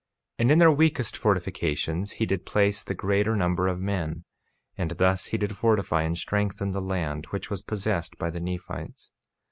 48:9 And in their weakest fortifications he did place the greater number of men; and thus he did fortify and strengthen the land which was possessed by the Nephites.